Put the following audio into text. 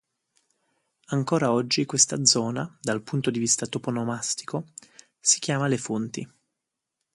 Ancora oggi questa zona dal punto di vista toponomastico si chiama"Le Fonti".